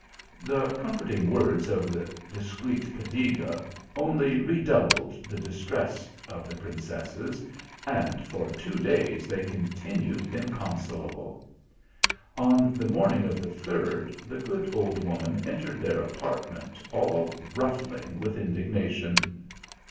The comforting words of the discreet Cadiga only redoubled the distress of the princesses, and for two days they continued inconsolable. On the morning of the third, the good old woman entered their apartment all ruffling with indignation.